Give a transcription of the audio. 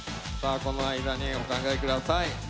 この間にお考え下さい。